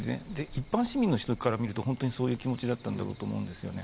一般市民の人から見ると本当にそういう気持ちだったんだろうと思うんですよね。